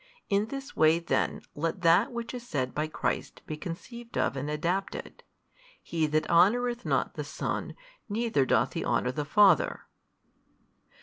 In this way then let that which is said by Christ be conceived of and adapted, He that honoureth not the Son, neither doth he honour the Father."